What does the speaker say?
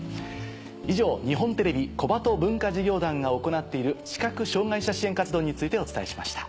以上「日本テレビ小鳩文化事業団が行っている視覚障がい者支援活動」についてお伝えしました。